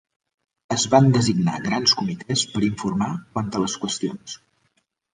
Es van designar grans comitès per informar quant a les qüestions.